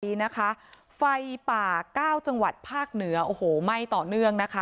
นี้นะคะไฟป่าเก้าจังหวัดภาคเหนือโอ้โหไหม้ต่อเนื่องนะคะ